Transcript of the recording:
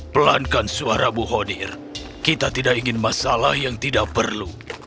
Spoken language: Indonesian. pelankan suara bu honir kita tidak ingin masalah yang tidak perlu